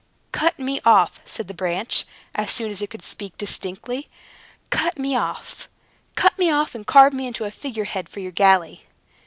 "Cut me off!" said the branch, as soon as it could speak distinctly; "cut me off! cut me off! and carve me into a figure head for your galley."